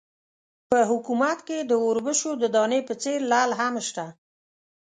په حکومت کې د اوربشو د دانې په څېر لعل هم شته.